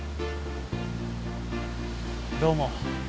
どうも